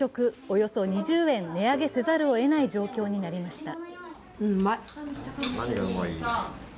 およそ２０円値上げせざるをえない状況になりました。